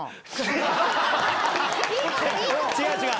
違う違う！